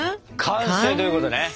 完成ということね！